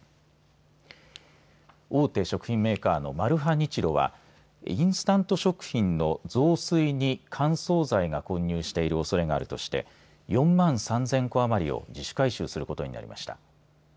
大手食品メーカーのマルハニチロはインスタント食品の雑炊に乾燥剤が混入しているおそれがあるとして４万３０００個余りを自主回収することになりました。